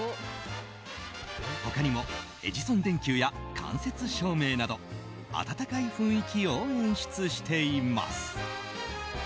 他にもエジソン電球や間接照明など温かい雰囲気を演出しています。